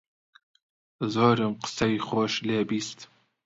زۆرم قسەی خۆش لێ بیست